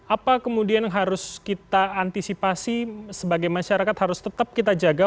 apa kemudian harus kita antisipasi sebagai masyarakat harus tetap kita jaga